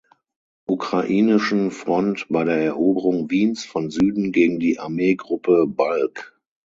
Ukrainischen Front bei der Eroberung Wiens von Süden gegen die Armeegruppe Balck.